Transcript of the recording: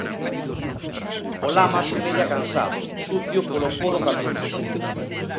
O lama semella cansado, sucio polo po do camiño.